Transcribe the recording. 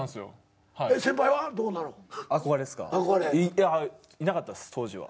いやいなかったっす当時は。